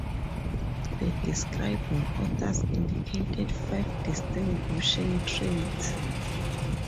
The describing authors indicated five distinguishing traits.